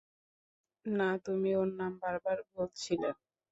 না, তুমি ওর নাম বারবার বলছিলে।